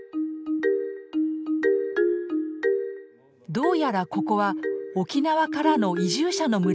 どうやらここは沖縄からの移住者の村らしい。